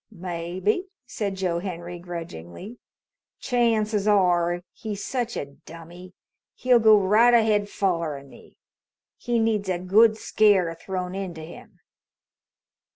"Maybe," said Joe Henry grudgingly. "Chances are he's such a dummy he'll go right ahead follerin' me. He needs a good scare thrown into him."